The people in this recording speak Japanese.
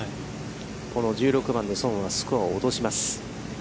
この１６番で、宋はスコアを落とします。